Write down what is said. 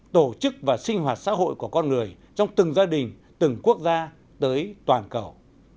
tổ chức và sinh hoạt xã hội của con người trong từng gia đình từng quốc gia tới toàn cầu